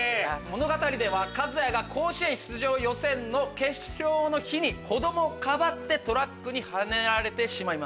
和也が甲子園出場予選の決勝の日に子どもをかばってトラックにはねられてしまいます。